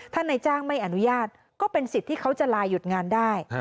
ถ้านายจ้างไม่อนุญาตก็เป็นสิทธิ์ที่เขาจะลายหยุดงานได้